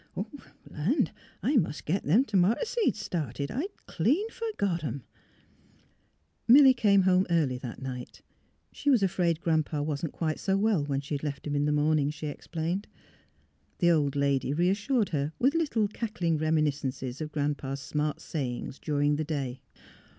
But, land! I mus' git them t'mato seeds started. I'd clean f ergot 'em." I 358 THE HEART OF PHILURA Milly came home early that night. She was afraid Grandfather wasn't quite so well when she left him in the morning, she explained. The old lady reassured her with little cackling reminis cences of Grandpa's smart sayings during the day.